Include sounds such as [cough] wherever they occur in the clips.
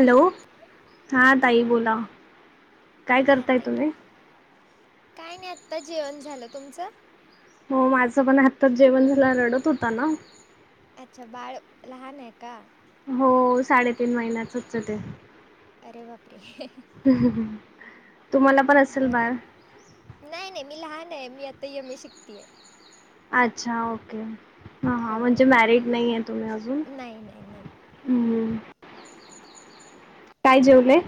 Hello. हां ताई बोला. काय हा करताय येतोय तुम्ही की, काय नाही आत्ता जेवण झालं तुमचं हो माझं पण, आताच जेवण झालं रडत होता, ना ओ अच्छा बाळ लहान आहे का? हो साडेतीन महिन्याचच हाये ते. अरे बापरे! [unintelligible] हम [unintelligible] बर नाही नाही मी लहान आहे. मी आता एम ए शिकती ये. अच्छा ओके. हा हो हां म्हणजे मॅरिड नाही आहे तुम्ही अजून. नाही नाही नाही हम्म. काय जेवलंय?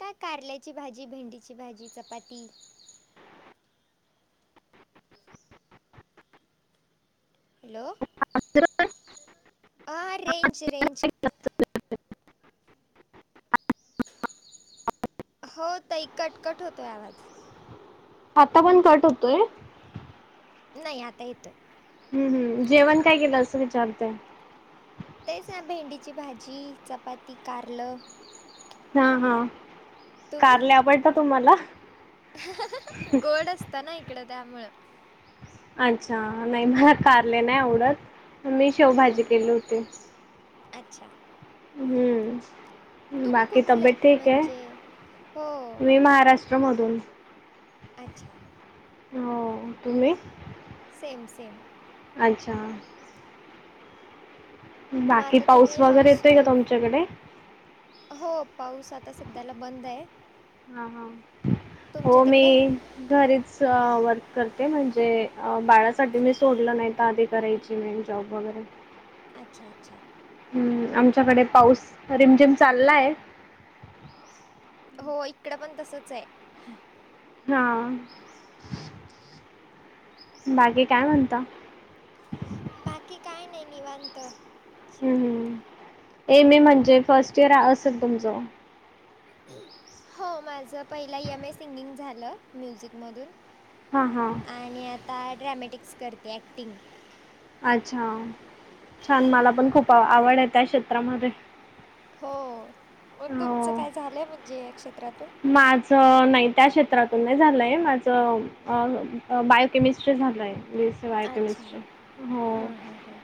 काय कारल्याची भाजी, भेंडीची भाजी, चपाती हॅलो. अत ह रेंज रेंज. हो त इ कटकट होतोय आवाज. आता पण कट होतोय. नाही आता येतोय. हम्म हम् जेवण काय केलं असं विचारत. तेच ना भेंडीची भाजी चपाती कारलं. हा हा तुम्ही कारला आवडत तुम्हाला? गोड असत ना इकडं त्यामुळं अच्छा नाही मला कारले नाही आवडत मी हां शेवभाजी केली होती. अच्छा. हम्म. तुम्ही बाकी कुठले तब्येत आहेत ठीक म्हणजे हो आहे मी महाराष्ट्र मधून अच्छा. हो तुम्ही? सेम सेम अच्छा. म बाकी आता पाऊस तुम्ही वगैरे येतोय का हाऊसवाईफ तुमच्याकडे हो पाऊस आता सध्याला बंद आहे. ह ह हो तुमच्या मी तिकडे घरीच वर्क करते म्हणजे बाळासाठी मी सोडलं नाही तर आधी करायची. जी मेन जॉब वगैरे अच्छा अच्छा. हम्म आमच्याकडे पाऊस रिमझिम चाललाय. हो इकडं पण तसच आहे. हा बाकी काय म्हणता? बाकी काय नाही निवांत. हम् एम ए म्हणजे फर्स्ट इयर असेल तुमचं? हो माझं पहिलं यम ए सिंगिंग झालं म्युझिकमधून हा हा. आणि आता ड्रॅमॅटिक्स करते ॲक्टिंग अच्छा छान मला पण खूप आवड आहे त्या क्षेत्रामध्ये हो मग तुमचं हो. काय झालंय म्हणजे या क्षेत्रातून माझं नाही त्या क्षेत्रातून नाही झालंय माझं. अ बायोकमिस्ट्री झालाय ब अच्छा बायोकमिस्ट्री हो. हां हां हां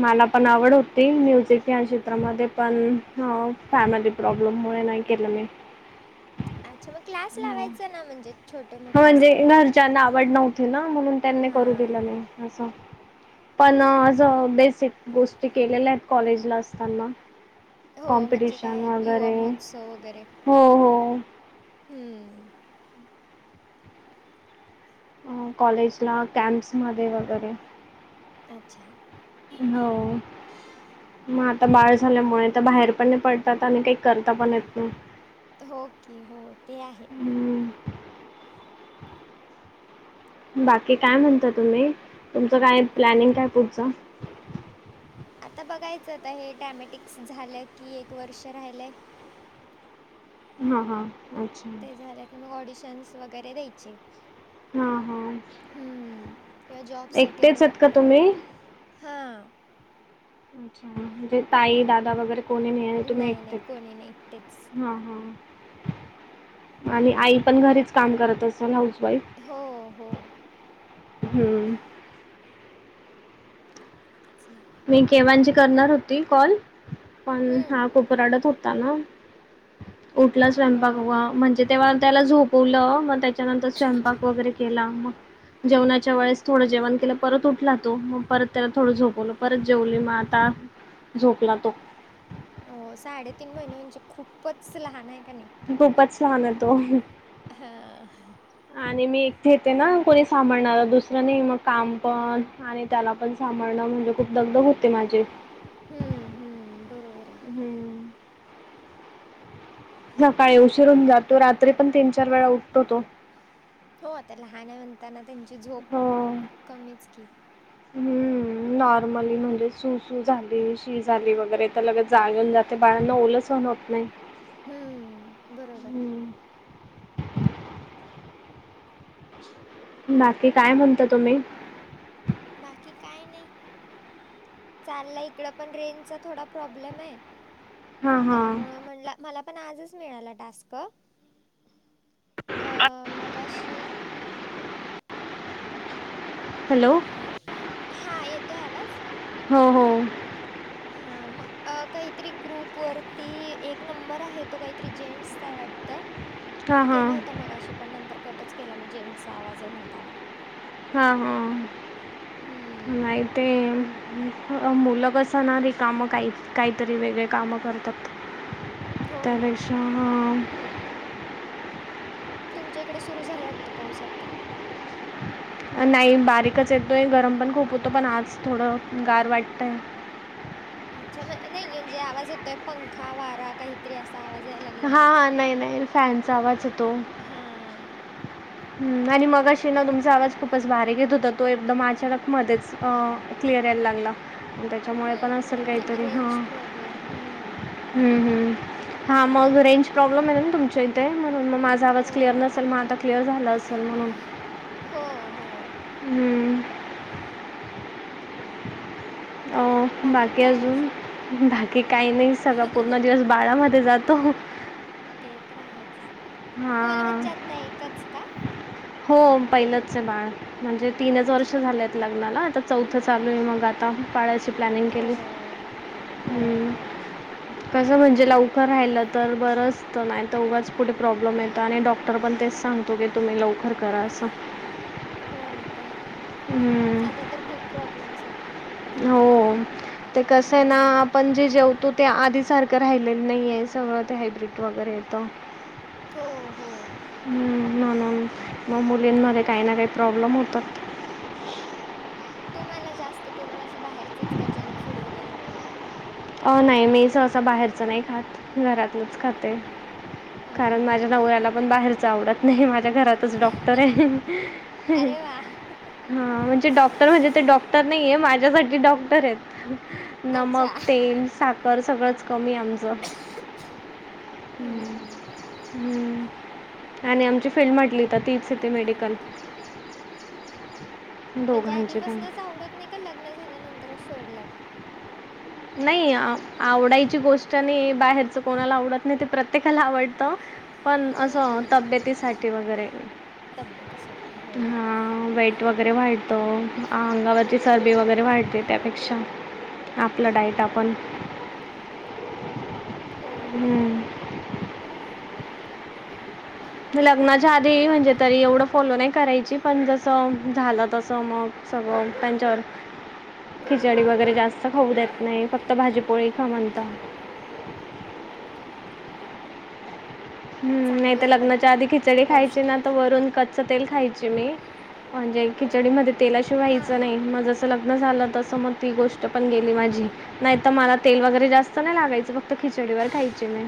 मला पण आवड होती म्युझिक या क्षेत्रामध्ये पण फॅमिली प्रॉब्लेममुळे नाही केलं मी अच्छा मग क्लास हो. लावायचा ना म्हणजे छोटे मोठे म्हणजे असतात. ते घरच्यांना आवड नत ना म्हणून त्यांनी करू दिलं हां. नाही असं. पणज बेसिक गोष्टी केलेल्या आहेत कॉलेजला असताना हो म्हणजे कॉम्पिटिशन काय युवा वगैरे महोत्सव वगैरे हो हो. हम्म. अ कॉलेज ला कॅम्प्स मध्ये वगैरे अच्छा. हो. मग आता बाळ झाल्यामुळे तर बाहेर पण नाही पडतात आणि काही करता पण येत नाही. हो क हो ते आहे. हम्म. बाकी काय म्हणता तुम्ही तुमचं काय प्लॅनिंग काय पुढचं आता बघायचंता हे डॅमॅटिक्स झालं की एक वर्ष राहिलंय. हा हा अच्छा. ते झालं की मग ऑडिशन्स वगैरे द्यायचे हां हां हम्म ते्हा जॉब सा एकटेच वगैरे आहेत का अप्लाय तुम्ही? हा अच्छा म्हणे ताई दादा वगैरे कोणी नाही तुम्ही ऐकता नाही कोणी नाही एकटेच. हा हा आणि आई पण घरीच काम करत असेल हाऊस वाईफ हो हो हम्म असले मी केवांजी करणार होती कॉल पण हं. हा खूप रडत होता ना उठला हो, स्वयंपाक व म्हणजे तेव्हा त्याला झोप पूलं मगं त्यांच्यानंतर स्वयंपाक वगैरें केलां मगं जेवण्याच्या वेळेस थोडं जेवणं केलं परत उठला तो मग परत त्याला थोडं झोपवलं परत जेवले मग आता झोपला तो. हो साडेतीन महिने म्हणजे खूपचं लहान आहे कां नी खूपच छान आहे तो. हां. आणि मी एकटे येते ना कोणी सांभाळणार दुसरं नाही मग काम पण आणि त्यांला पणं सांभाळणं म्हणजे खूंप दगदग होते माझी हम्मं हम्मं बरोबर आहे. हम्मं सकाळी उशीर होऊन जातो रात्री पण तीन चार वेळा उठतो तो. हो आता लहान आहे म्हणताना त्यांची झोप हो कमीच की. हम्म, नॉर्मली म्हणजे सुू सुू झाली शी झाली वगैरें तरं लगे जागं येऊन जाते बाळंना ओल सहण होतं नाहीं नाही. हम्मं बरोबर आहे हम्म, बाकी कायं म्हणतां तुम्हीं बाकी काय नाइ. चाललं इकडं पणं रेनचा थोडा प्रॉब्लेम आहे हां हां. त्यामुळं म्हटलं मला पण आजच मिळाला टास्क अ मगाशी. हॅलो हा येतोय आवाज. हो हो. हा मग काहीतरी ग्रुप वरती एक नंबर आहे तो काहीतरी जेट्सचा आहे वाटतं. ह [unintelligible] मी केला होता मगाशी पण नंतर कटच केला मी जेट्सचा आवाज आहे म्हणताना. हा हा हम्म नाही ते.. मुलं बसांण रिकामं कांहीं कांहीतरी वेगळेच कामं करतात हो त्यां ना पेक्षा हम्मं तुमच्या इकडे सुरु झाला वाटतं पाऊस आता. नाहीं बारीकचं येतोय गरम पणं खूप होतो पणं आज थोडं गार वाटतंय अच्छा म नाही म्हणजे आवाज येतोय पंखा वारा काहीतरी अस. आवाज यायलाग. हा हा नाही नाही फॅनचा आवाजय तो. हां हम्मं आणि मगं अशी नां तुमचां आवाज खूपचं बारीक येतं होता तो एकदंम अचानक मध्येचं अ क्लिअर यायला लागला त्याच्यामुळे पण हम्म, असेल हम्म. नाही काहीतरी, ह. रेंज प्रॉब्लेम हम्म. हम हम हा मग रेंज प्रॉब्लेम आहे नां तुमच्यां इथे म्हणून मगं माझा आवाज हो, क्लिअर नसेल मगं आता क्लिअर झाला असेल म्हणून हो हो. हम्मं अ बाकी अजून. बाकी कांहीं नाहीं सगळां पूर्ण दिवस बाळामंध्ये जातो ते तर आहेच. तुम्हाला हां म्हणजे आत्ता एकच का? हो पहिलंच आहे बाळ म्हणजे तीनच अच्छा. वर्ष झालेत लग्नाला आता चौथं चालू आहे मग आता बाळाची प्लॅनिंग हो, केलीस, हो, हम. हो. कसं म्हणजे लवकर राहिलं तर बरं असत नाही तर उघाच पुढे प्रॉब्लेम येत आणि डॉक्टर पण तेच सांगतो की तुम्ही लवकर करा असं. हो ना ते आहे. हम्मं. आता तरं खूप प्रॉब्लेम्स आहेंत. हो. ते कसं आहे ना हम्म. आपण जे जेवतो ते आधी सारखं राहिलेलं नाहीय सगळं ते हायब्रीड. वगैरे येत. हो हो. हम हा ना मग मुलींमध्ये काही ना काही प्रॉब्लेम होतात. तुमला जास्त करून असं बाहेरचच का जंक फूड वगैरे अ नाही मी सहसा बाहेरचं नाही खात. घरातलंच खाते हां. हम्म, कारण हम्म, माझ्या हम्म. नवऱ्याला पण बाहेरच आवडत नाही माझ्या घरात तुच डॉक्टर आहे. अरे वाह! [unintelligible] हं म्हणजे डॉक्टर म्हणजे ते डॉक्टर नाहीये माझ्यांसांठी डॉक्टर आहेत नमक अच्छा तेल, साखर सगळचं कमी आमचं हम्म हम्मं. हम्म हम्म आणि आमची फील्ड म्हटली तर तीच येते खरं मेडिकल. की म्हणजे दोघांची पण. आधीपासूनचं आवडतं नाहीं कां लग्नं झाल्यानंतरच सोडलांत? नाहीं आवडायची गोष्ट नाहीं बाहेरचं कोणाला आवडतं नाहीं ते प्रत्येकाला आवडतं. पण असं हम्म तब्येतीसाठी वगैरे तब्येतीसाठी हो हा [unintelligible] पित्त वगैरे वाढतो अंगावरची चरबी वगैरे वाढते त्यापेक्षा लढाईत आपनं हो ह.. हं. लग्नांच्या आधीही म्हणजे तरी एवढं फॉलो नाहीं करायची. पणं जसं झालं तसं मगं सगळं त्यांच्यावर खिचडी वगैरें जास्तं खाऊ देत नाहीं फक्तं भाजीपोळी खां म्हणतात. हम्मं नाहीं चांगलं तरं आहे पण लग्नांच्या आधी खिचडी खायची नां पौष्टिक तरं वरून कच्च तेल खायाची मी म्हणजे खिचडी मध्ये तेला आ शिव्हाय हां व्हायचं नाहीं माझं लग्न झालं तसं मग ती गोष्ट पण गेली माझी. नाही तर मला तेल वगैरे जास्त नाही लागायचं फक्त खिचडीवर खायची मी.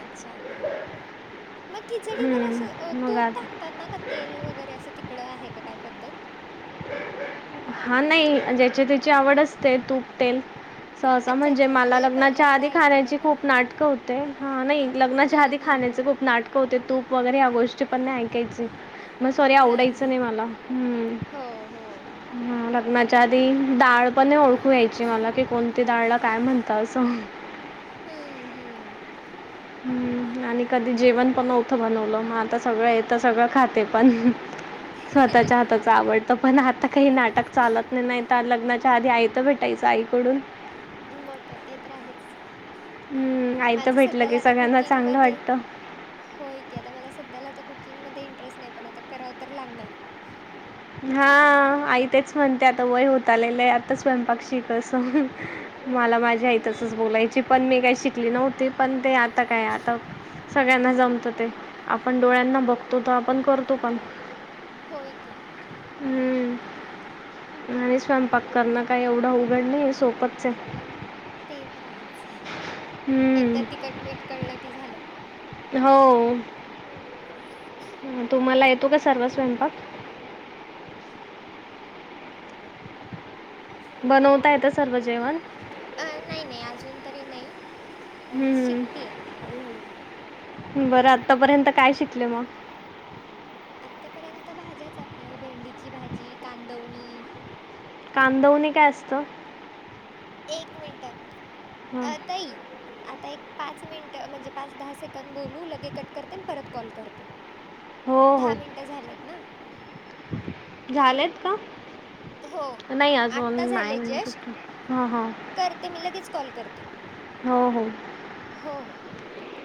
अच्छा थां. मगं खिचडीवर असं हम्म, मग तूप आता टाकतात नां की तेल वगैरें असं तिकडं आहे कां कायं पद्धत? हा नाही ज्याच्या त्याची आवड असते तूप तेल. सहसा अच्छा म्हणजे अच्छा अच्छा मला लग्नाच्या पहिल्यांदा आधी खाण्याची ऐकलं ना खूप नाटक होते हा नाही लग्नाच्या हम्म आधी हम्म हम्म खाण्याचे खूप नाटकं होते तूप वगैरे ह्या गोष्टी पण नाही ऐकायचे. मगं सॉरी आवडायचं नाहीं हां मला हम्मं. हो हो. हां लग्नांच्या आधी डाळ पण नाही ओळखू यायची मला की कोणती दाळला काय म्हणतं असं. हम्मं हम्मं. हम्म आणि कधी जेवण पण न्हवत बनवलं मग आता सगळं येतं सगळं खाते पण स्वतःच्या हाताच आवडतं पणं आता कांहीं नाटकं चालतं नाहीं नाहीं. लग्नाच्या आधी आयत भेटायचं आईकडून मग काय ते तर आहेच. हं, आयतं माझ्या भेटलं की सध्यांला आता सगळ्यांना चांगलं कुकिंगमंध्ये वाटतं. होय की आता मला सध्याला आता कुकिंगमध्ये इंटरेस्ट नाही पण आता करावं तर लागणार. हा आई तेच म्हणते आता वय होत आलेलं आहे आता स्वयंपाक शिक अस. मला माझी आई तर तसंच हम्म बोलायची पणं मी काय शिंकली नव्हती. पणं ते आता कायं आता सगळ्यांना जमतं ते आपण डोळ्यांना बघतो त आपण करतो पण होय की. हम्मं आणि स्वयंपाक करणं काय एवढं उघडं नाहींये सोपं ये. ते तर आहेच एकदा हं, तिखट मीठ कळलं की झालं. हो. [inaudible] हं तुम्हाला येतो का सर्व हम्म स्वयंपाक बनवता येत सर्व जेवण अ नाही नाही अजून तरी नाही पण हं, शिकते हळूहळू बरं आतापर्यंत काय शिकले म आतापर्यंत भाज्याच आपल्या भेंडीची भाजी, कांदवणी कांदवनी काय असतं. एक मिनटं हां अ ताई आता एक पाच मिनिट म्हणजे पाच दहा सेकड बोलू लगे कट करते आणि परत कॉल करते. हो दहा मिनटं झाल्यात ना झालेत का? हो नाही अजून आत्ता झाले नाईन जस्ट फिफ्टी ह ह करते मी लगेच कॉल करते. हो हो. हो हो हो. ठीक आहे